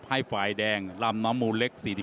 ให้ฝ่ายแดงลำน้ำมูลเล็ก๔๔